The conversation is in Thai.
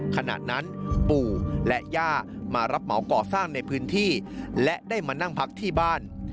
ขณะนั้นปู่และย่ามารับเหมาก่อสร้างในพื้นที่และได้มานั่งพักที่บ้าน